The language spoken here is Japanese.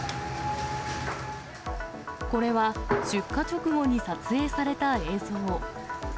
これは出火直後に撮影された映像。